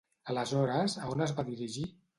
Aleshores, a on es va dirigir?